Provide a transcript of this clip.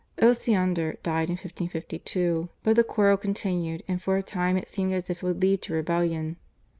Osiander died in 1552, but the quarrel continued and for a time it seemed as if it would lead to rebellion.